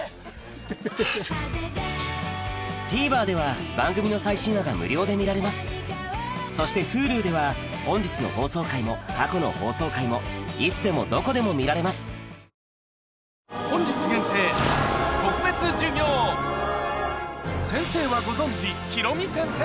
ＴＶｅｒでは番組の最新話が無料で見られますそしてＨｕｌｕでは本日の放送回も過去の放送回もいつでもどこでも見られます先生はご存じ